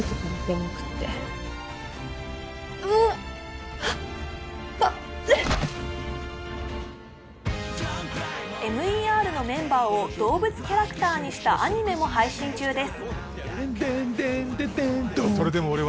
待ってＭＥＲのメンバーを動物キャラクターにしたアニメも配信中です